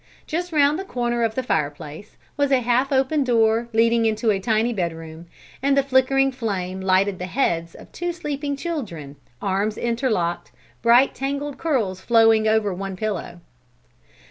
Just round the corner of the fireplace was a half open door leading into a tiny bedroom, and the flickering flame lighted the heads of two sleeping children, arms interlocked, bright tangled curls flowing over one pillow.